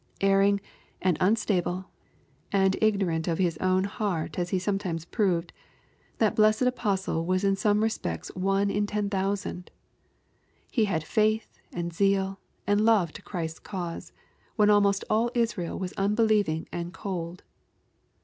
Erring, and unstable, and ignorant of his own heart as^ he sometimes proved, that blessed apostle was in some ^ respects one in ten thousand. He had faith, and zeal, and love to Christ's cause, when almost all Israel was unbelieving and cold.